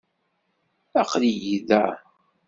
Aql-iyi da.